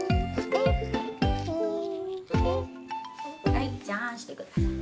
はいじゃああんしてください。